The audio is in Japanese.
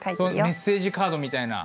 メッセージカードみたいな。